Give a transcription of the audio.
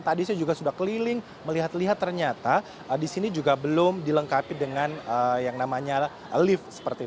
tadi saya juga sudah keliling melihat lihat ternyata di sini juga belum dilengkapi dengan yang namanya lift